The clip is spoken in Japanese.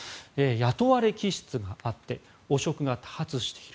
雇われ気質があって汚職が多発している。